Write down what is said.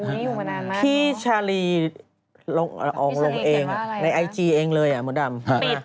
นี่อยู่มานานมากพี่ชาลีอองลงเองในไอจีเองเลยอ่ะมดดำ